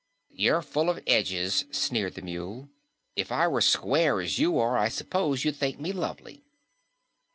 "You're full of edges," sneered the Mule. "If I were square as you are, I suppose you'd think me lovely."